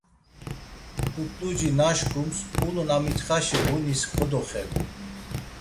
P̌ut̆uci naşǩums, ulun a mitxaşi ğunis kodoxedun.